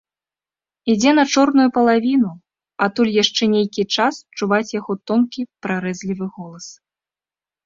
Ідзе на чорную палавіну, адтуль яшчэ нейкі час чуваць яго тонкі прарэзлівы голас.